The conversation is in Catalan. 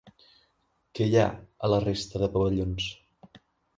Què hi ha a la resta de pavellons?